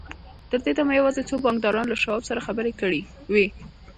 تر دې دمه یوازې څو بانکدارانو له شواب سره خبرې کړې وې